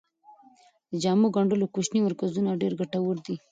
د جامو ګنډلو کوچني مرکزونه ډیر ګټور دي.